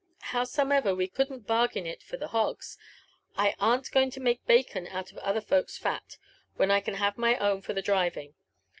Howsumever, we couldn't bargain it for the hogs, — larn'tgoing to make bacon out of other folks' fat, when I can have my own for the driving.